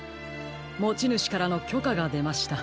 もちぬしからのきょかがでました。